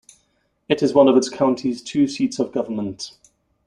It is one of its county's two seats of government.